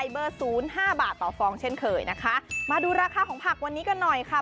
บาทต่อฟองเช่นเคยนะคะมาดูราคาของผักวันนี้กันหน่อยค่ะ